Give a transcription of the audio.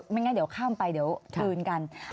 ไม่งั้นเดี๋ยวข้ามไปเดี๋ยวคืนกัน